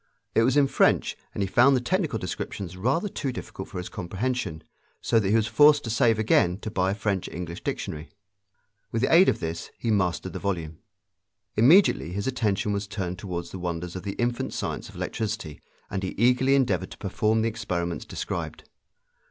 It was in French, and he found the technical descriptions rather too difficult for his comprehension, so that he was forced to save again to buy a French English dictionary. With the aid of this he mastered the volume. Immediately his attention was turned toward the wonders of the infant science of electricity, and he eagerly endeavored to perform the experiments described.